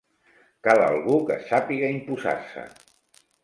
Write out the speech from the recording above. Cal algú que sàpiga imposar-se.